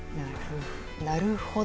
なるほど。